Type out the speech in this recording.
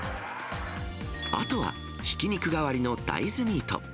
あとはひき肉代わりの大豆ミート。